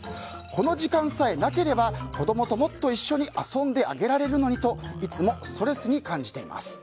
この時間させなければ子供ともっと遊んであげられるのにといつもストレスに感じています。